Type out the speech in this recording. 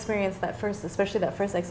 pengalaman pertama terutama